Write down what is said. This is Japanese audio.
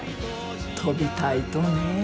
飛びたいとね。